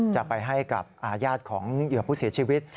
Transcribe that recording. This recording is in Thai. จะไปให้กับญาติของเหยื่อผู้เสียชีวิต